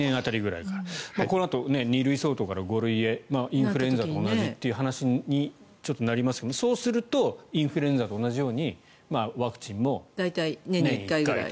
このあと、２類相当から５類へインフルエンザと同じという話になりますがそうするとインフルエンザと同じようにワクチンも年に１回と。